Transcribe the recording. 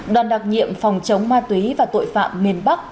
đoàn đặc nhiệm phòng chống ma túy và tội phạm miền bắc